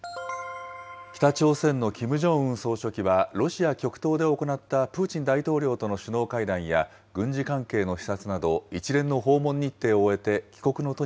北朝鮮のキム・ジョンウン総書記はロシア極東で行ったプーチン大統領との首脳会談や軍事関係の視察など、一連の訪問日程を終えて、